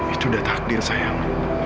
itu udah takdir sayang